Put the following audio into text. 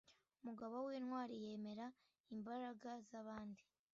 umugabo w'intwari yemera imbaraga z'abandi